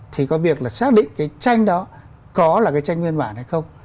thì có việc là xác định cái tranh đó có là cái tranh nguyên bản hay không